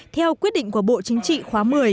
theo quyết định của bộ chính trị khóa một mươi